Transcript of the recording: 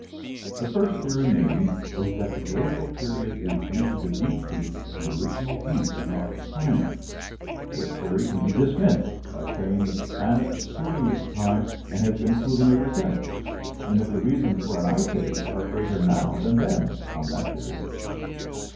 The first theory named is that the glacial period is due to the decrease of the original heat in our climate. This theory can be dismissed by saying that the planet was cooling at the time and has been cooling ever since, and that the reasons for an ice age are greater now than then, on that theory.